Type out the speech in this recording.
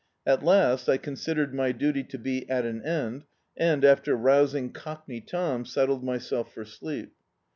At last I considered my duty to be at an end, and, after rousing Cockney Tom, settled myself for sleep.